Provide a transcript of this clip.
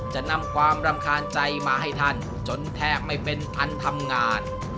จะนำความรำคาญใจมาให้ท่านจนแทบไม่เป็นอันทำงาน